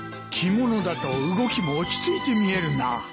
着物だと動きも落ち着いて見えるな。